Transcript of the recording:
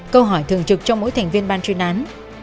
câu hỏi thường trực trong mỗi thành viên bàn truyền án